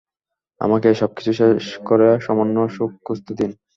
আমাকে এই সবকিছু শেষ করে সামান্য সুখ খুঁজতে দিন।